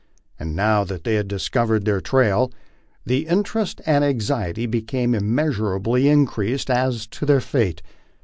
And now that we had discovered their trail, our interest and anxiety became immeasurably increased as to their fate.